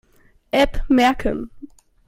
App merken.